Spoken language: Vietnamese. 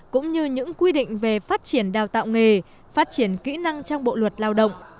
cũng như những quy định về phát triển đào tạo nghề phát triển kỹ năng trong bộ luật lao động